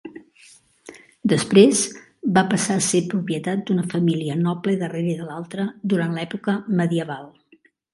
Després, va passar a ser propietat d'una família noble darrere de l'altra durant l'època medieval.